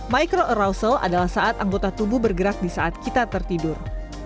micro arrosel adalah saat anggota tubuh bergerak di saat kita tertidur